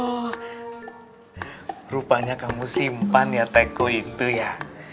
oh rupanya kamu simpan ya teko itu ya